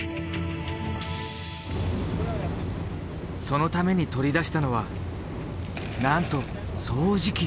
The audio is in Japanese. そのために取り出したのはなんと掃除機！